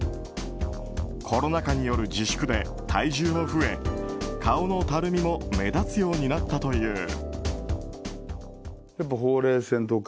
コロナ禍による自粛で体重も増え顔のたるみも目立つようになったという。